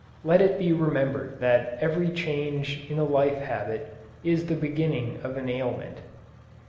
Let it be remembered that every change in a life habit is the beginning of an ailment.